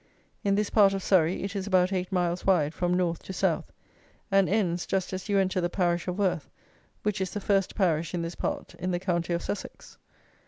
In this part of Surrey it is about eight miles wide, from North to South, and ends just as you enter the parish of Worth, which is the first parish (in this part) in the county of Sussex.